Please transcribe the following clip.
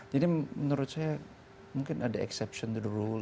jadi menurut saya mungkin ada exception to the rule